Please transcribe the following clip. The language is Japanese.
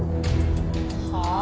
はあ？